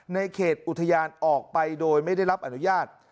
ในเขตอุทยานออกไปโดยไม่ได้รับอนุญาต